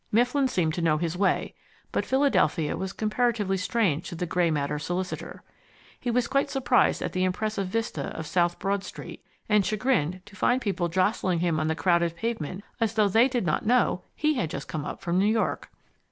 Mifflin seemed to know his way, but Philadelphia was comparatively strange to the Grey Matter solicitor. He was quite surprised at the impressive vista of South Broad Street, and chagrined to find people jostling him on the crowded pavement as though they did not know he had just come from New York.